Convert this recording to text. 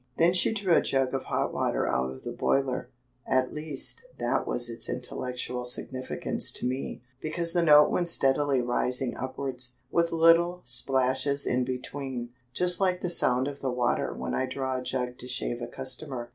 Then she drew a jug of hot water out of the boiler at least, that was its intellectual significance to me, because the note went steadily rising upwards, with little splashes in between, just like the sound of the water when I draw a jug to shave a customer.